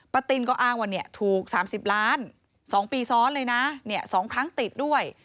ตินก็อ้างว่าถูก๓๐ล้าน๒ปีซ้อนเลยนะ๒ครั้งติดด้วย